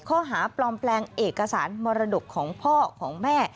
ข้อหาปลอมแปลงเอกสารมรดกของพ่อของแม่